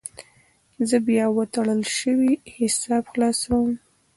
زه بیا وتړل شوی حساب خلاصوم.